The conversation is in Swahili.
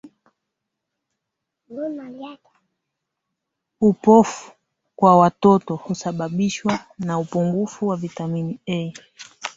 upofu kwa watoto husababibishwa na upungufu wa vitamini A